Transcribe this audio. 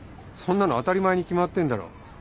そんなの当たり前に決まってんだろ。